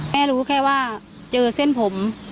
รู้แค่ว่าเจอเส้นผม